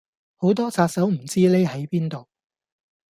好多殺手唔知匿喺邊度